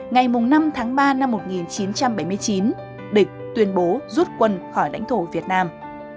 ngày năm tháng ba năm một nghìn chín trăm bảy mươi chín địch tuyên bố rút quân khỏi lãnh thổ việt nam